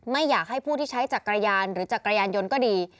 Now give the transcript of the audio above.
ไม่อยากให้ผู้ที่ใช้จักรยานหรือจักรยานยนต์ก็ดี